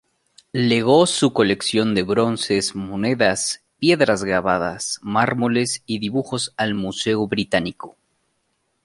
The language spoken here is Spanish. Legó su colección de bronces, monedas, piedras grabadas, mármoles, y dibujos al Museo Británico.